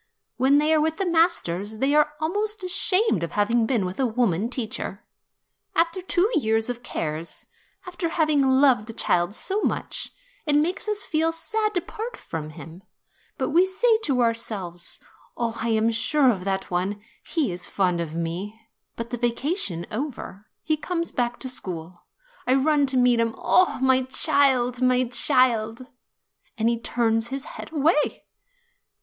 When they are with the masters, they are almost ashamed of having been with a woman teacher. After two years of cares, after having loved a child so much, it makes us feel sad to part from him; but we say to ourselves, 'Oh, I am sure of that one ; he is fond of me.' But the vacation over, he comes back to school. I run to meet him ; 'Oh, my child, my child !' And he turns his head away."